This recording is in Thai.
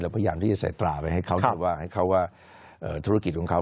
พยายามที่จะใส่ตราไปให้เขาว่าให้เขาว่าธุรกิจของเขา